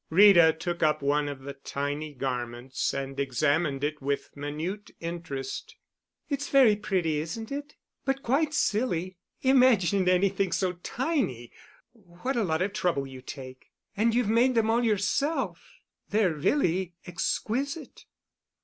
Rita took up one of the tiny garments and examined it with minute interest. "It's very pretty, isn't it? But quite silly. Imagine anything so tiny! What a lot of trouble you take. And you've made them all yourself. They're really exquisite."